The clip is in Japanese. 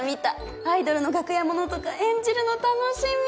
アイドルの楽屋ものとか演じるの楽しみ。